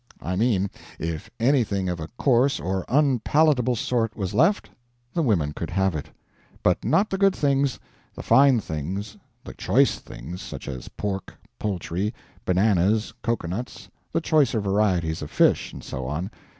I mean, if anything of a coarse or unpalatable sort was left, the women could have it. But not the good things, the fine things, the choice things, such as pork, poultry, bananas, cocoanuts, the choicer varieties of fish, and so on.